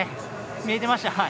見えていました。